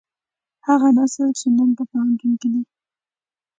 هغه نسل چې نن په پوهنتون کې دی.